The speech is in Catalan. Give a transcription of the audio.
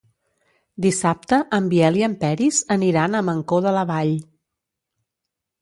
Dissabte en Biel i en Peris aniran a Mancor de la Vall.